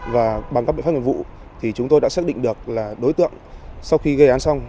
và bằng các biện pháp nghiệp vụ thì chúng tôi đã xác định được là đối tượng sau khi gây án xong